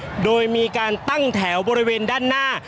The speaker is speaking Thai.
ก็น่าจะมีการเปิดทางให้รถพยาบาลเคลื่อนต่อไปนะครับ